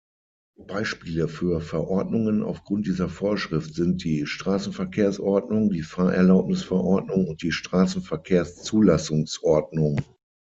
Beispiele für Verordnungen aufgrund dieser Vorschrift sind die Straßenverkehrs-Ordnung, die Fahrerlaubnis-Verordnung und die Straßenverkehrs-Zulassungs-Ordnung.